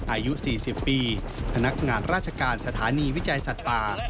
อายุ๔๐ปีพนักงานราชการสถานีวิจัยสัตว์ป่า